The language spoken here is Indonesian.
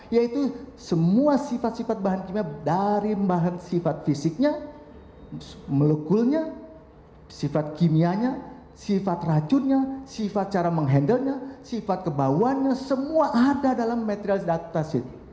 yaitu semua sifat sifat bahan kimia dari bahan sifat fisiknya melekulnya sifat kimianya sifat racunnya sifat cara menghandlenya sifat kebawanya semua ada dalam material data city